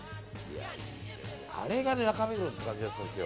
あれが中目黒っていう感じだったんですよ。